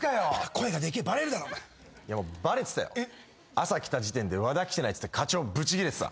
朝来た時点で和田来てないって課長ブチギレてた。